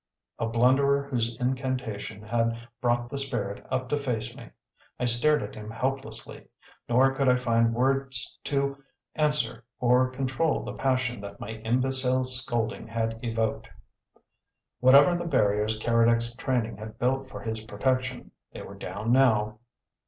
A blunderer whose incantation had brought the spirit up to face me, I stared at him helplessly, nor could I find words to answer or control the passion that my imbecile scolding had evoked. Whatever the barriers Keredec's training had built for his protection, they were down now.